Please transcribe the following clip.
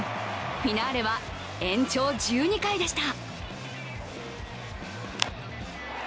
フィナーレは延長１２回でした。